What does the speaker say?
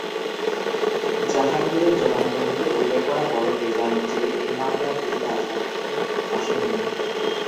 জাহাঙ্গীরের জবানবন্দিতে উল্লেখ করা বড় মিজান যে এই মামলার কি তা সাক্ষ্যে আসেনি?